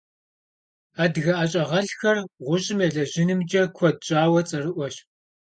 Адыгэ ӀэщӀагъэлӀхэр гъущӀым елэжьынымкӀэ куэд щӀауэ цӀэрыӀуэщ.